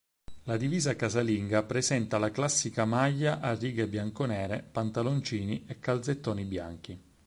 La divisa casalinga presenta la classica maglia a righe bianco-nere, pantaloncini e calzettoni bianchi.